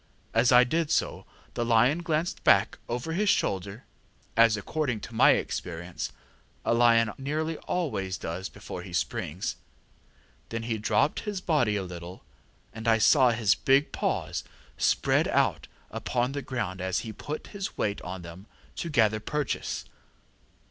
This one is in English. As I did so, the lion glanced back over his shoulder, as, according to my experience, a lion nearly always does before he springs. Then he dropped his body a little, and I saw his big paws spread out upon the ground as he put his weight on them to gather purchase.